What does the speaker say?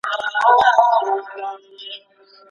په څه هستیو کي نېستمن دی دا بې سره اولس